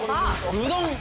うどん。